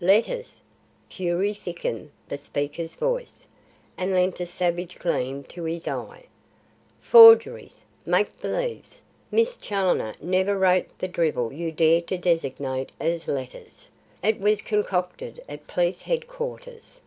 "Letters!" Fury thickened the speaker's voice, and lent a savage gleam to his eye. "Forgeries! Make believes! Miss Challoner never wrote the drivel you dare to designate as letters. It was concocted at Police Headquarters.